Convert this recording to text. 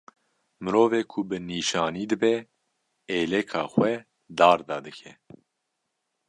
Mirovê ku bi nîşanî dibe êleka xwe darda dike